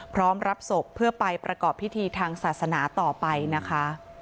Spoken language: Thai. รับศพเพื่อไปประกอบพิธีทางศาสนาต่อไปนะคะ